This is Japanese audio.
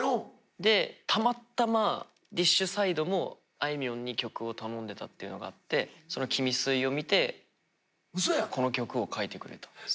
でたまたまＤＩＳＨ／／サイドもあいみょんに曲を頼んでたっていうのがあってその「キミスイ」を見てこの曲を書いてくれたんです。